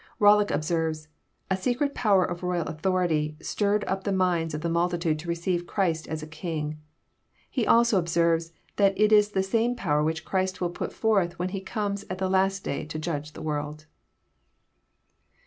KoUock observes :" A secret power of royal authority stirred up the minds of the multitude to receive Christ as a king." He also observes that it is the same power which Christ will put forth when He comes at the last day to Judge the world.